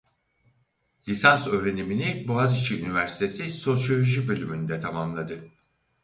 Lisans öğrenimini Boğaziçi Üniversitesi Sosyoloji bölümünde tamamladı.